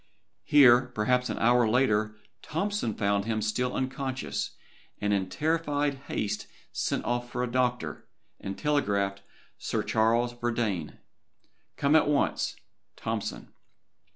Here, perhaps an hour later, Tompson found him still unconscious, and in terrified haste sent off for a doctor, and telegraphed to Sir Charles Verdayne: "Come at once, TOMPSON."